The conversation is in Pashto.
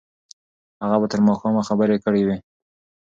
هغه به تر ماښامه خبرې کړې وي.